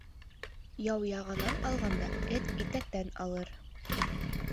Яу яғанан алғанда, эт итәктән алыр.